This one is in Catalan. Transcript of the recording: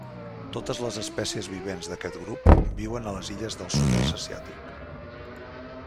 Totes les espècies vivents d'aquest grup viuen a les illes del sud-est asiàtic.